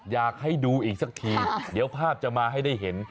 อยากให้ดูอีกสักทีเดี๋ยวภาพจะมาให้ได้เห็น